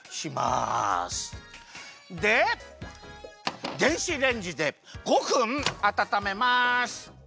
で電子レンジで５分あたためます。